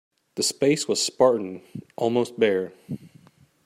The space was spartan, almost bare.